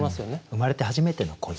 生まれて初めての恋。